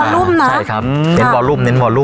ใช่ครับเน้นเน้น